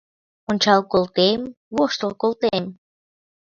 Ончал колтем, воштыл колтем